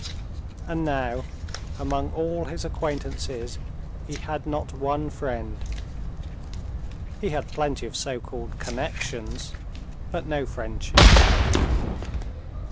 And now among all his acquaintances he had not one friend. He had plenty of so called connections, but no friendships.